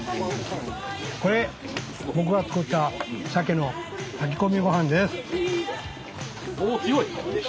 これ僕が作ったシャケの炊き込みごはんです。